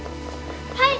はい！